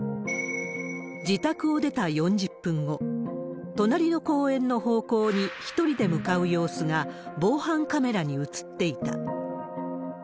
自宅を出た４０分後、隣の公園の方向に１人で向かう様子が防犯カメラに映っていた。